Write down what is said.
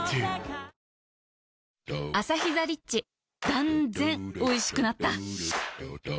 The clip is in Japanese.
断然おいしくなった